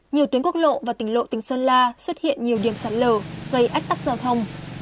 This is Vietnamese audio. nhiều tuyến quốc lộ và tỉnh lộ tỉnh sơn la xuất hiện nhiều điểm sạt lở gây ách tắc giao thông